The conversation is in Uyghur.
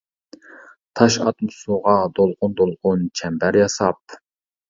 تاش ئاتما سۇغا دولقۇن-دولقۇن چەمبەر ياساپ.